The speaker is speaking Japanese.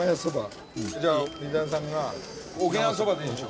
じゃあ水谷さんが沖縄そばでいいでしょ？